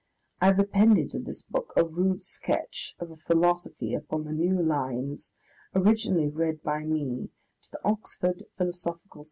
I have appended to his book a rude sketch of a philosophy upon new lines, originally read by me to the Oxford Phil.